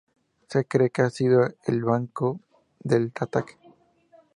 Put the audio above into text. Se cree que ha sido el blanco del ataque.